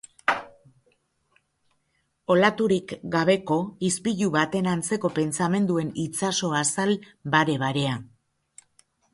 Olaturik gabeko, ispilu baten antzeko pentsamenduen itsaso-azal bare-barea.